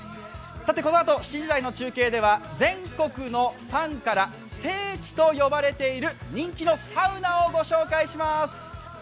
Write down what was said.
このあと、７時台の中継では全国のファンから聖地と呼ばれている人気のサウナをご紹介します。